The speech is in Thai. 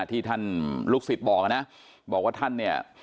ที่ท่านลูกศิษย์บอกนะบอกว่าท่านเนี่ย